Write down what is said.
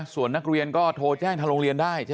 ส่วนนักเรียนก็โทรแจ้งทางโรงเรียนได้